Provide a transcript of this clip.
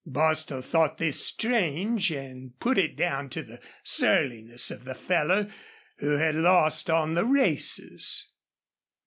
Bostil thought this strange and put it down to the surliness of the fellow, who had lost on the races.